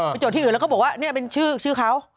โจทย์ที่อื่นแล้วก็บอกว่าเนี่ยเป็นชื่อเขา